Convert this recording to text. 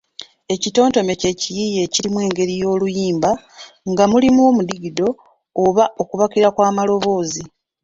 Ekitontome kye kiyiiye ekiri mu ngeri y’oluyimba nga mulimu omudigido, oba okubakira kw’amaloboozi